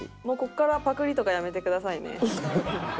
もうここからパクリとかやめてくださいね。